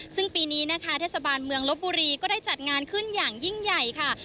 ซึ่งปีนี้นะคะเทศบาลเมืองลบบุรีก็ได้จัดงานขึ้นอย่างยิ่งใหญ่ค่ะ